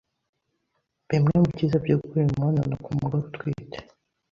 bimwe mu byiza byo gukora imibonano ku mugore utwite